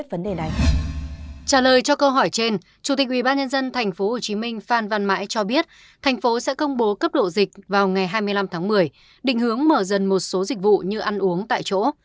trả lời cho câu hỏi trên chủ tịch ubnd tp hcm phan văn mãi cho biết thành phố sẽ công bố cấp độ dịch vào ngày hai mươi năm tháng một mươi định hướng mở dần một số dịch vụ như ăn uống tại chỗ